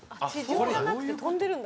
地上じゃなくて飛んでるんだ。